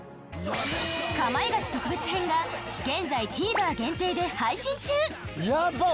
『かまいガチ』特別編が現在 ＴＶｅｒ 限定で配信中やばっ！